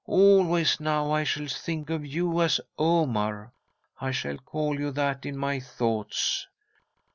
Always now I shall think of you as Omar. I shall call you that in my thoughts."